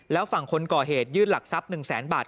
แล้วฝั่งคนก่อเหตุยื่นหลักทรัพย์๑แสนบาท